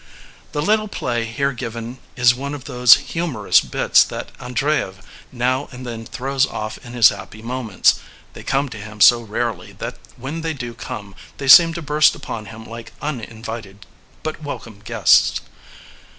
The little play here given is one of those humorous bits that Andreyev now and then throws off in his happy moments. They come to him so rarely that when they do come they seem to burst upon him like uninvited but welcome guests.